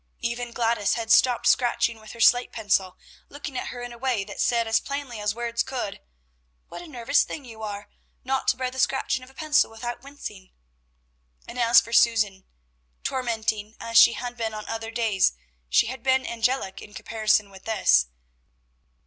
Even Gladys had stopped scratching with her slate pencil, looking at her in a way that said as plainly as words could, "What a nervous thing you are, not to bear the scratching of a pencil without wincing;" and as for Susan, tormenting as she had been on other days, she had been angelic in comparison with this.